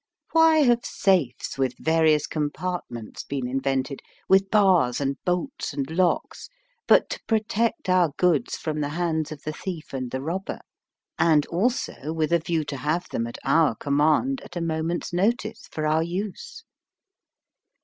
Why have safes with various compartments been invented, with bars and bolts and locks, but to protect our goods from the hands of the thief and the robber, and also with a view to have them at our command at a moment's notice for our use?